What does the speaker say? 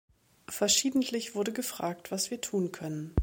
Verschiedentlich wurde gefragt, was wir tun können.